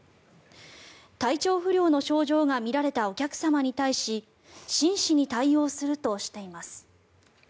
体調不良の症状が見られたお客様に対し真摯に対応するとしています。